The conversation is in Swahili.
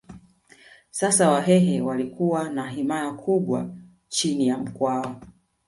Sasa Wahehe walikuwa na himaya kubwa chini ya Mkwawa